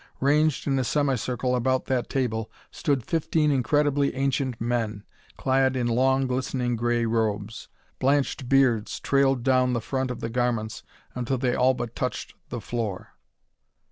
Ranged in a semicircle about that table, stood fifteen incredibly ancient men clad in long, glistening grey robes. Blanched beards trailed down the front of the garments until they all but touched the floor.